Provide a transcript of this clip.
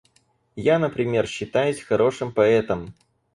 Я, например, считаюсь хорошим поэтом.